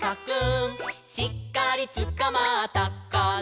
「しっかりつかまったかな」